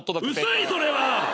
薄いそれは！